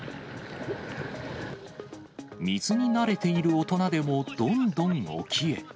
水に慣れている大人でも、どんどん沖へ。